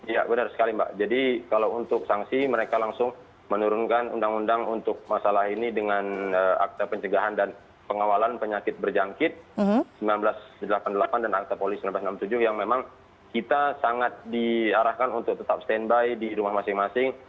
ya benar sekali mbak jadi kalau untuk sanksi mereka langsung menurunkan undang undang untuk masalah ini dengan akte pencegahan dan pengawalan penyakit berjangkit seribu sembilan ratus delapan puluh delapan dan akta polis seribu sembilan ratus enam puluh tujuh yang memang kita sangat diarahkan untuk tetap standby di rumah masing masing